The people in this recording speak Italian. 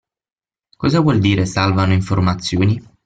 Cosa vuol dire salvano informazioni?